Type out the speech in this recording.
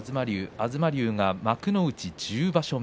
東龍が幕内で１０場所目。